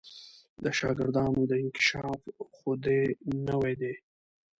د شاګردانو دا انکشاف خو دې نوی دی.